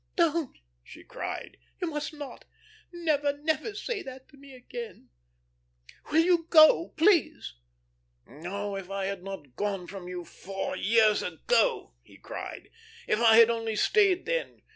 "Don't!" she cried. "You must not. Never, never say that to me again. Will you go please?" "Oh, if I had not gone from you four years ago!" he cried. "If I had only stayed then!